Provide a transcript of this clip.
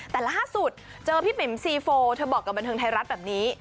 แต่ล่าสุดเจอพี่ปิ๋มซีโฟเธอบอกกับบันเทิงไทยรัฐแบบนี้